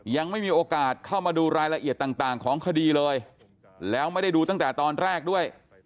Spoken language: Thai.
ยังไม่มีโอกาสเข้ามาดูรายละเอียดต่างของคดีเลยแล้วไม่ได้ดูตั้งแต่ตอนแรกด้วย